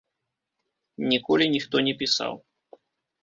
Ніколі ніхто не пісаў.